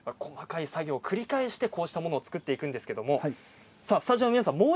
細かい作業を繰り返してこうしたものを作っていくんですがスタジオの皆さん